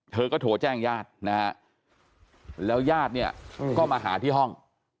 เธอก็โทรแจ้งญาตินะฮะแล้วญาติเนี่ยก็มาหาที่ห้อง